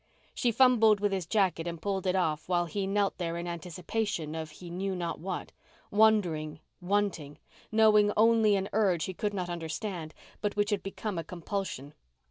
She fumbled with his jacket and pulled it off while he knelt there in anticipation of he knew not what; wondering, wanting, knowing only an urge he could not understand but which had become a compulsion.